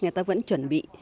người ta vẫn chuẩn bị